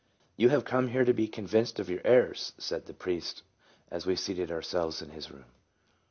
"You have come here to be convinced of your errors," said the priest, as we seated our selves in his room.'